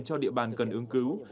cho địa bàn cần ứng cứu